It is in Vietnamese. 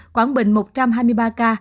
quảng bình một trăm hai mươi ba ca